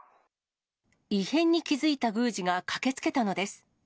異変に気付いた宮司が駆けつけたのです。